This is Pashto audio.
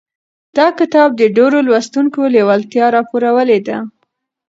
دا کتاب د ډېرو لوستونکو لېوالتیا راپارولې ده.